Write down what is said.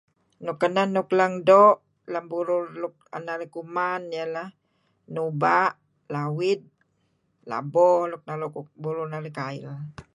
Nukanan nuk lang do, lam burul luk an narih kuman iylah nubah, lawih, labo nuk ruh burul narih kail.